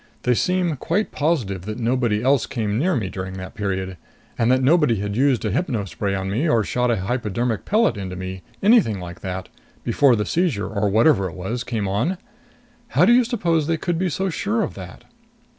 "They seem quite positive that nobody else came near me during that period. And that nobody had used a hypno spray on me or shot a hypodermic pellet into me anything like that before the seizure or whatever it was came on. How do you suppose they could be so sure of that?"